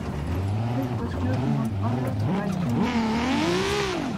This was used among others by Julian Tuwim.